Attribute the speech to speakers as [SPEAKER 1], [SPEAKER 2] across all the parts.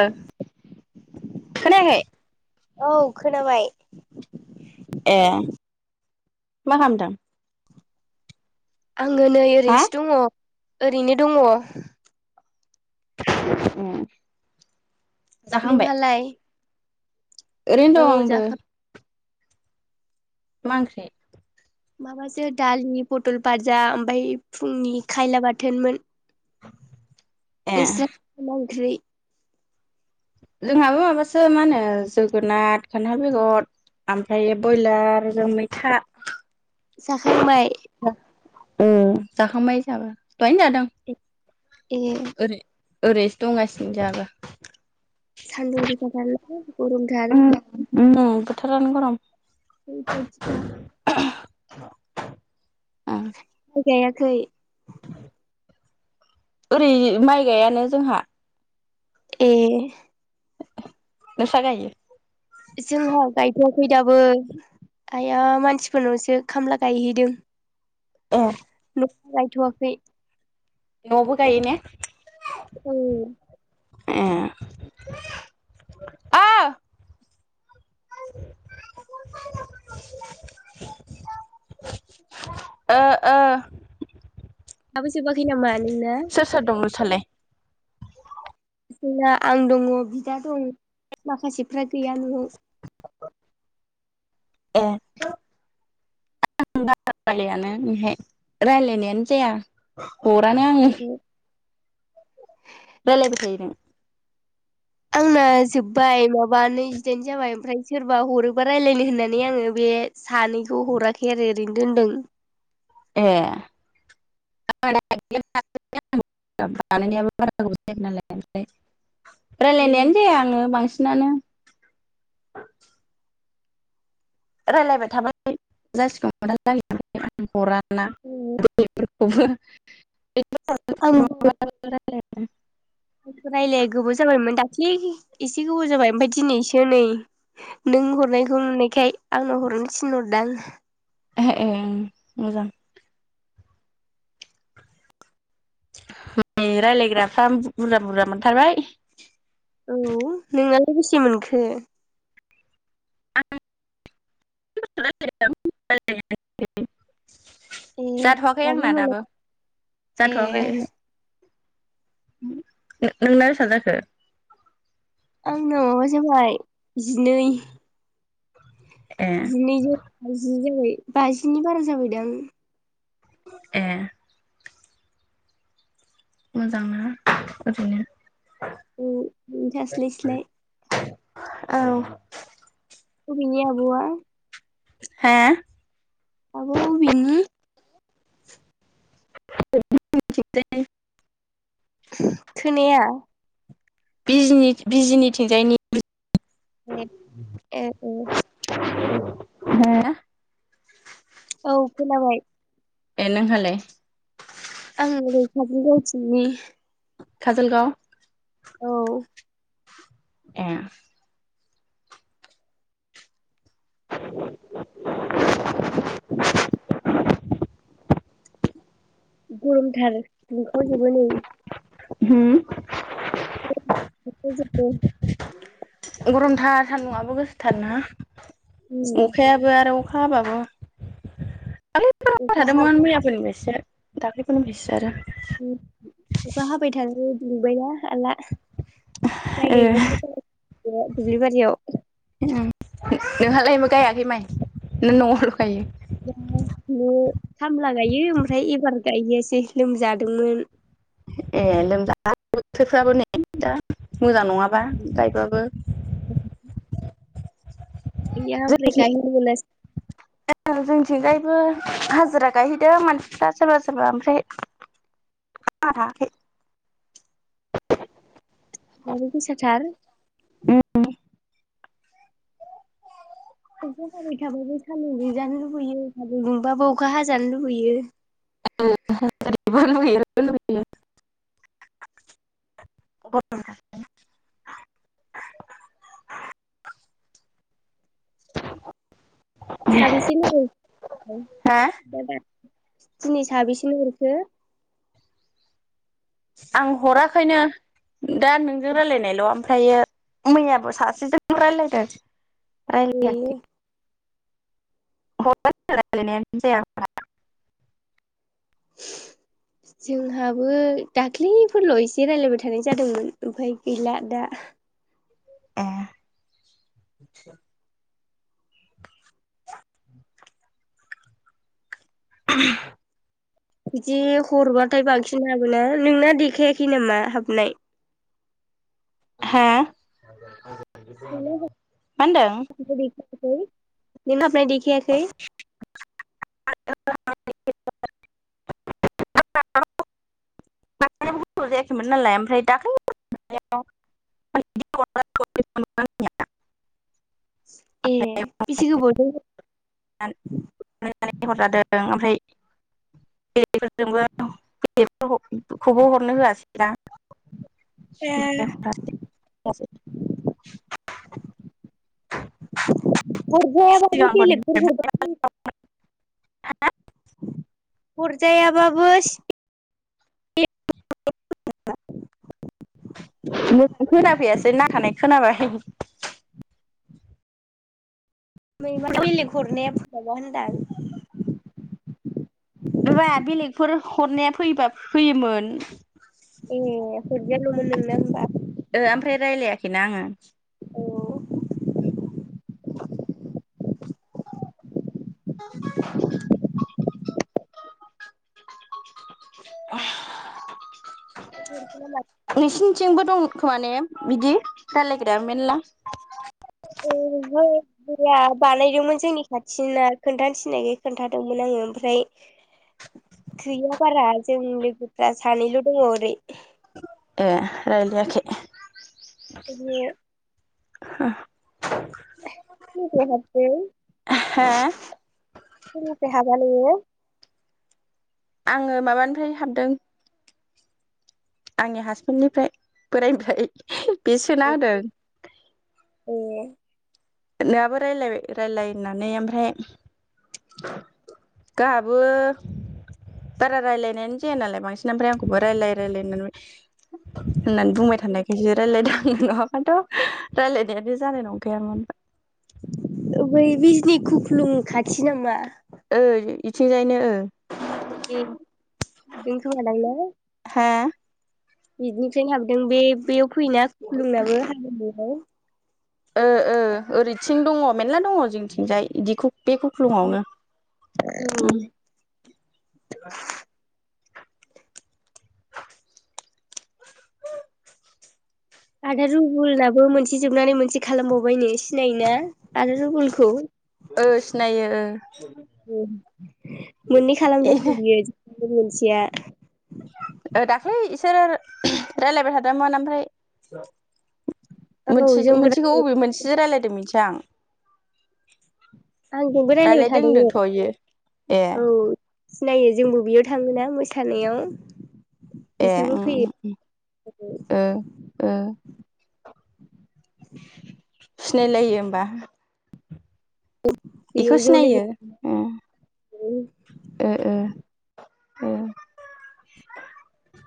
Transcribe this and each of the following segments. [SPEAKER 1] ओ खोनायाखै?
[SPEAKER 2] औ खोनाबाय
[SPEAKER 1] ए मा खामदों?
[SPEAKER 2] आङो नै
[SPEAKER 1] हा?
[SPEAKER 2] ओरैनोसो दङ ओरैनो दङ
[SPEAKER 1] उम
[SPEAKER 2] नोंहालाय?
[SPEAKER 1] ओरैनो‌‌
[SPEAKER 2] औ
[SPEAKER 1] दं आबो
[SPEAKER 2] जाखाब
[SPEAKER 1] मा ओंख्रि?
[SPEAKER 2] माबासो दालि पतल पाजा ओमफाय फुंनि खायला बाथोनमोन
[SPEAKER 1] ए
[SPEAKER 2] नोंसिना मा ओंख्रि?
[SPEAKER 1] जोंहाबो माबासो मा होनो जोगोनाथ खान्थाल बेगद आमफायो बयलारजों मैथा
[SPEAKER 2] जाखांबाय?
[SPEAKER 1] अ जाखांबाय जाबाय दहायनो जादों
[SPEAKER 2] ए
[SPEAKER 1] ओरै ओरैसो दंगासिनो जाहाबो
[SPEAKER 2] सान्दुं गोसाथार लै गरमथाल
[SPEAKER 1] उम बोथोरानो गरम
[SPEAKER 2] ओरैबायदि खा
[SPEAKER 1] ओं
[SPEAKER 2] गायाखै
[SPEAKER 1] ओरै माइ गायानो जोंहा।
[SPEAKER 2] ए।
[SPEAKER 1] नोंसा गायो।
[SPEAKER 2] जोंहा गायथ'वाखै दाबो। आइया मानसिफोरनावसो खामला गायहैदों।
[SPEAKER 1] एह।
[SPEAKER 2] न' गायथवाखै।
[SPEAKER 1] न'वावबो गायोने?
[SPEAKER 2] औ
[SPEAKER 1] ए ओ [inaudible] ओ ओ।
[SPEAKER 2] दाबो जोबाखैनामा नोंना
[SPEAKER 1] सोर सोर दं नोंसालाय?
[SPEAKER 2] जोंना आं दङ, बिदा दं माखासेफ्रा गैया न'आव।
[SPEAKER 1] ए। [unintelligible] रायलायानो बेहाय राय्लायनायानो जाया। हरानो आङो।
[SPEAKER 2] बेनो
[SPEAKER 1] रायलायबाय थायो नों?
[SPEAKER 2] आंना जोब बाय माबा नैजिदाइन जाबाय ओमफ्राय सोरबा हरोबा रायलायनो होननानै आङो बे सानैखौ हर हराखै आरो ओरैनो दोनदों।
[SPEAKER 1] ए। [unintelligible] खानैनियाबो बारा गोबाव जायाखै नालाय ओमफ्राय
[SPEAKER 2] ए
[SPEAKER 1] रायलायनायानो जाया आङो बांसिनानो। रायलायबाय थाबालाय जासिगोमोन [unintelligible] हराना [unintelligible] उफो [unintelligible]
[SPEAKER 2] राय्लाया गोबाव जाबायमोन दाख्लै एसे गोबाव जाबाय ओमफफ्राय दिनैसो नै नों नों हरनायखौ नुनायखाय आंनो हरनो थिनहरदां।
[SPEAKER 1] एहे ए मोजां। माने रायज्लायग्राफ्रा बुरजा बुरजा मोनथारबाय।
[SPEAKER 2] बेसि मोनखो।
[SPEAKER 1] [unintelligible]
[SPEAKER 2] ए
[SPEAKER 1] जाथ'वाखै आंना दाबो
[SPEAKER 2] ए
[SPEAKER 1] जाथ'वाखै ओहो ओ ओंना बेसां जाखो?
[SPEAKER 2] आंना माबा जाबाय। जिनै
[SPEAKER 1] [inaudible]
[SPEAKER 2] जिनैजौ बाजि जाबाय बाजिनि बारा जाबायदां।
[SPEAKER 1] ए। मोजां ना ओरैनो।
[SPEAKER 2] उम ओथास्लायस्लाय।
[SPEAKER 1] औ।
[SPEAKER 2] अबेनि आब'वा?
[SPEAKER 1] हा।
[SPEAKER 2] आब'आ अबिनि?
[SPEAKER 1] [unintelligible]
[SPEAKER 2] खोनाया।
[SPEAKER 1] बिजनि-बिजिनिथिंजायनि।
[SPEAKER 2] नेट ए ओ।
[SPEAKER 1] हो
[SPEAKER 2] औ खोनाबाय
[SPEAKER 1] ए नोंहालाय
[SPEAKER 2] आं गैखा गावसिनि
[SPEAKER 1] काजलगाव ए
[SPEAKER 2] गरमथार दुंखावजोबो नै
[SPEAKER 1] होम
[SPEAKER 2] गमथार दुंखावजोबो
[SPEAKER 1] गरमथार सान्दुंआबो गोसोथारना
[SPEAKER 2] उम
[SPEAKER 1] अखायाबो आरो अखा अखा‌ हाबाबो बाय
[SPEAKER 2] अखा हाब
[SPEAKER 1] थादोंमोन मैयाफोरनिफ्रायसो दाखालैफोरनिफ्रायसो जादों
[SPEAKER 2] अखा हाबाय थानानै दुंबायना हाला माइ गायग्राफोर ज दुब्लि बारियाव
[SPEAKER 1] नोंहालायबो गायाखै माइ नों न'आवल' गायो
[SPEAKER 2] दा बे खामला गायो ओमफ्राय एबार गायहैयासै लोमजादोंमोन
[SPEAKER 1] ए लोमजादों बोथोरफ्राबो ने दा [unintelligible] मोजां नङाबा गायबाबो
[SPEAKER 2] गैया ओमफ्राय गायहैनो मोनासै
[SPEAKER 1] ए जोंनिथिंगायबो हाजिरा गायहैदों मानसिफ्रा सोरबा सोरबा ओमफ्राय आंहा थाङाखै
[SPEAKER 2] सान्दुं गोसाथार अखा हाबाय थाबाबो सान्दुं दुंजानो लुबैयो सान्दुं दुंबाबो अखा हाजानो लुबैयो
[SPEAKER 1] सान्दुं दुंजानो लुबैयो [unintelligible] [unintelligible]
[SPEAKER 2] साबेसे लोगो औ
[SPEAKER 1] आं
[SPEAKER 2] दाबा [unintelligible] दिनै साबैसेनो हरखो
[SPEAKER 1] आं हराखैनो दा नोंजों रायलायनायल' ओमफ्रायो मैयाबो सासेजों रायलायदों ओमफ्राय
[SPEAKER 2] ए
[SPEAKER 1] रायलायाखै फन रायलायनायानो जाया आंना
[SPEAKER 2] जोंहाबो दाखैफोरल' एसे रायलायबाय थानाय जादोंमोन ओमफाय गैला दा
[SPEAKER 1] ए
[SPEAKER 2] बिदि हरबाथाय बांसिन हाबोना नोंना देखायाखै नामा हाबनाय
[SPEAKER 1] हा मा होनदों
[SPEAKER 2] नोंना हाबनाय देखायाखै
[SPEAKER 1] नोंना हाबनाय देखायाखै नामा द गोथाव जायाखैमोन नालाय ओमफ्राय दाखैलि [unintelligible] [unintelligible]
[SPEAKER 2] ए बिसि गोबावजों
[SPEAKER 1] नानै हरजादों ओमफ्राय [unintelligible] [unintelligible] खौबो हरनो होआसै दां [unintelligible]
[SPEAKER 2] हरजाया बाबो बेगेलफोर हरजागोन खोमा
[SPEAKER 1] हा ।
[SPEAKER 2] हरजायाबाबो
[SPEAKER 1] मोजां खोनाफैयासै नाथानाय खोनाबाय ।
[SPEAKER 2] मैमा बेलेग हरनाया [unintelligible] होनदां
[SPEAKER 1] माबा बेलेगफोर हरनाया फैयोबा फैयोमोन ।
[SPEAKER 2] ए हरजायालमोन नोंनना होमबा?
[SPEAKER 1] ओ आमफ्राय रायलायाखैना आङो ।
[SPEAKER 2] औ ।
[SPEAKER 1] [unintelligible] [inaudible] [inaudible]
[SPEAKER 2] ग म [inaudible]
[SPEAKER 1] थिंबो दंग खोमाने बिदि रायलायग्राया मेरला?
[SPEAKER 2] [unintelligible] गैया बानायदोंमोन जोंनि खाथिना खोनथानो थिननायखाय खोनथादोंमोन आङो ओमफ्राय गैया बारा जोंनि लोगोफ्रा सानैल' दङ ओरै।
[SPEAKER 1] ए रायलायाखै?
[SPEAKER 2] ओहो ।
[SPEAKER 1] हा
[SPEAKER 2] मे ह [inaudible]
[SPEAKER 1] हा
[SPEAKER 2] सोरनिफ्राय हाबानोंयो?
[SPEAKER 1] आङो माबानिफ्राय हाबदों । आंनि हासबेन्डनिफ्राय बोराइनिफ्राय ।
[SPEAKER 2] ए
[SPEAKER 1] नोंहाबो रायलायबाय रायलाय होननानै ओमफ्राय गाहाबो बारा रायलायनायानो जाया नालाय बांसिन ओमफ्राय आंखौबो रायलाय रायलाय होन्नानै होननानै बुंबाय थानायखायसो रायज्लायदों आंयो नङाबाथ' रायलायनायानो जानाय नंखायामोन ।
[SPEAKER 2] बै बिजनि खुख्लुं खाथि नामा?
[SPEAKER 1] ओ इथिंजायनो ओ ।
[SPEAKER 2] ए बेनो खोमादां ने?
[SPEAKER 1] हा
[SPEAKER 2] बिदिनिफ्रायनो हाबदों बे बेयाव फैयोना खुखलुंनाबो [unintelligible]
[SPEAKER 1] ओ ओ ओरैथिं दङ मेरला दङ जोंथिंजाय इदिखु बे खुख्लुंआवनो
[SPEAKER 2] औ
[SPEAKER 1] उम ।
[SPEAKER 2] आदा रबुलाबो मोनसे जोबनानै मोनसे खालामबावबायनो सिनायो ना आदा रुबुलखौ?
[SPEAKER 1] ओ सिनायो
[SPEAKER 2] मोननै खालामदोंनो बियो । [unintelligible] मोनसेया
[SPEAKER 1] ओ दाख्लै इसोरो रायलायबाय थादोंमोन ओमफ्राय
[SPEAKER 2] औ
[SPEAKER 1] मोनसे
[SPEAKER 2] जोंबो
[SPEAKER 1] मोनसेखौ अबे मोनसेजों रायलायदों मिथिया आं ।
[SPEAKER 2] आंजोंबो रायलायबाय थादोंमोन
[SPEAKER 1] ए
[SPEAKER 2] औ । सिनायो जोंबो बेयाव थाङोना मोसानायाव ।
[SPEAKER 1] ए उम उम उम ओ ओ । सिनायलायो होमबा? इखौ सिनायो ओ
[SPEAKER 2] [unintelligible]
[SPEAKER 1] ओ ओ ओ ।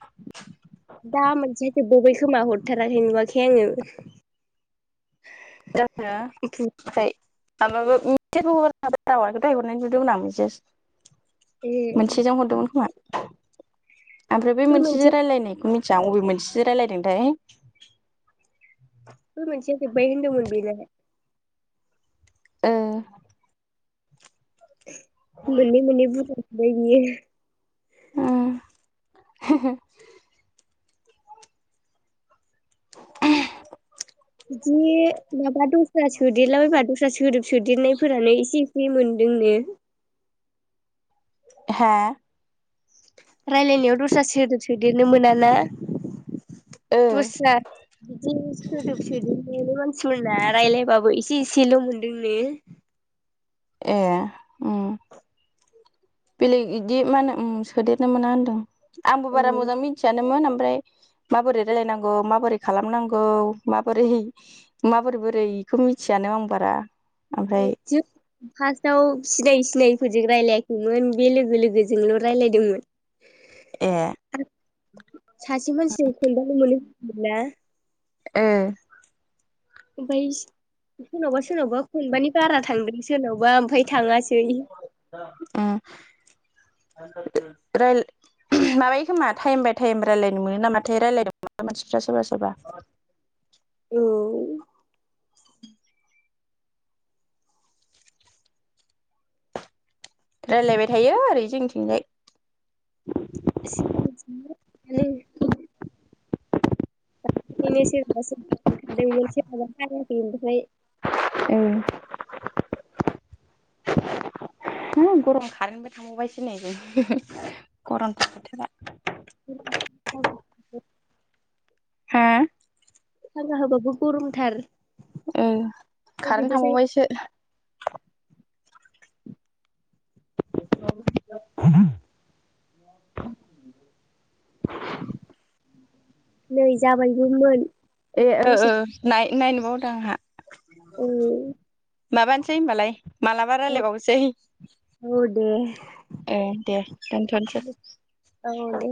[SPEAKER 1] [inaudible]
[SPEAKER 2] दा मोनसे जोबबावबाय खोमा हरथाराखै नुवाखै आङो ।
[SPEAKER 1] [unintelligible] माबाबो मिसेबो हर दाउआखौ दायहरनाय नुदोंमोन आामो
[SPEAKER 2] ए
[SPEAKER 1] बिसोर मोनसेजों हरदोंमोन खोमा ओमफ्राय बै मोनसेजों रायजलायनायखौ मिथियां अबे मोनसेजों रायलायदोंथाय
[SPEAKER 2] मस बायन्द म बिल [inaudible]
[SPEAKER 1] ओ
[SPEAKER 2] मोनै मोनै बुजााय बियो
[SPEAKER 1] ओम [unintelligible] [inaudible]
[SPEAKER 2] बिदि माबा दस्रा सोदेरलाबायबा दस्रा सोदोब सोदेरनायफोरानो इसे जि मोनदों ने
[SPEAKER 1] हा
[SPEAKER 2] रायलायनायाव दस्रा सोदेर सोदेरनो मोना ना ।
[SPEAKER 1] ओ
[SPEAKER 2] दसार बिदि [unintelligible] मानसिफोरना रायलायबाबो इसे एसेल' मोनदोंनो
[SPEAKER 1] ए बेलेग बिदि मा होनो सोदेरनो मोना होनदों आंबो
[SPEAKER 2] औ
[SPEAKER 1] बारा मोजां मिथियानोमोन। ओमफ्राय माबोरै रायलायनांगौ माबोरै खालामनांगौ माबोरै माबोरै बोरै बेखौ मिथियानो आं बारा ओमफ्राय
[SPEAKER 2] जों फार्स्टआव सिनाय सिनायफोरजों रायजलायाखैमोन बे लोगो लोगोजोंल' रायज्लायदोंमोन।
[SPEAKER 1] ए
[SPEAKER 2] सासे मानसिजों खोनथामल'मोनो होनदों ना
[SPEAKER 1] ओ
[SPEAKER 2] ओमफ्राय सोरनावबा सोरनावबा खनबानि बारा थां सोरनावबा ओमफाय थाङासै
[SPEAKER 1] रेल [inaudible] माबायो खोमा टाइम बाय टाइम रायज्लायनो मोनो नामाथाय रायज्लायदोंमोन मानसिफ्रा सोरबा सोरबा [inaudible] [inaudible] रायलायबाय थायो ओरै जोंनिथिंजाय
[SPEAKER 2] [unintelligible] नो सोराबा सोरबा बे सोरहाबा खाराखै ओमफ्राय
[SPEAKER 1] ओ होम गरम खारेनबो थांबावबायसो नै जों गरमथार बोथोरा
[SPEAKER 2] [inaudible]
[SPEAKER 1] हा
[SPEAKER 2] फांखा होबाबो गरमथार
[SPEAKER 1] उम खारेन्ट
[SPEAKER 2] जेबो जाया
[SPEAKER 1] थांबावबायसो [inaudible]
[SPEAKER 2] नै जाबायबोमोन।
[SPEAKER 1] ए ओ ओ
[SPEAKER 2] दसे
[SPEAKER 1] नायनो बावदों आंहा
[SPEAKER 2] औ
[SPEAKER 1] माबानोसै होनोमबालाय मालाबा रायजलायबावसै।
[SPEAKER 2] औ दे
[SPEAKER 1] ए दे दोनथ'नोसै।
[SPEAKER 2] औ दे